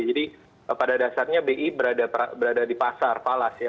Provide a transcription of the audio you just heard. jadi pada dasarnya bi berada di pasar falas ya